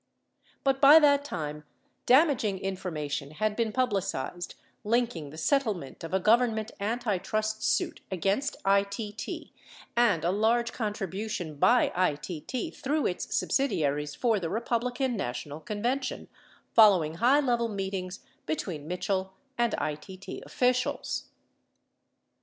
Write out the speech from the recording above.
70 But by that, time, damaging information had been publicized link ing the settlement of a Government antitrust suit against ITT and a large contribution by ITT through its subsidiaries for the Republican National Convention, following high level meetings between Mitchell and ITT officials.